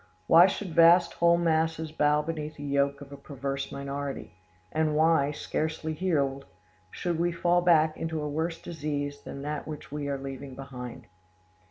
Why should vast whole masses bow beneath the yoke of a perverse minority? And why, scarcely healed, should we fall back into a worse disease than that which we are leaving behind?